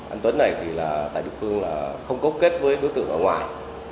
anh tuấn này thì là tại địa phương là không cấu kết với đối tượng ở ngoài